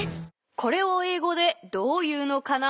これをえいごでどう言うのかな？